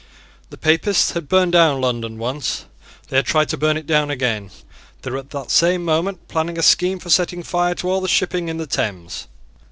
The Papists had burned down London once. They had tried to burn it down again. They were at that moment planning a scheme for setting fire to all the shipping in the Thames.